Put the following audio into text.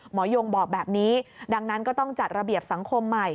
ยงบอกแบบนี้ดังนั้นก็ต้องจัดระเบียบสังคมใหม่